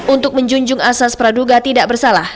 untuk menjunjung asas praduga tidak bersalah